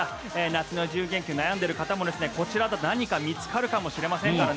夏の自由研究を悩んでいる方もこちらで何か見つかるかもしれませんので。